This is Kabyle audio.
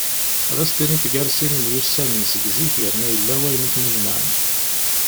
Ad as-tiniḍ gar sin myussanen seg zik yerna yella wayen iten-ijemɛen.